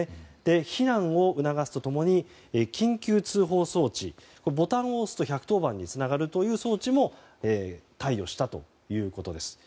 避難を促すと共に緊急通報装置ボタンを押すと１１０番につながる装置も貸与したということです。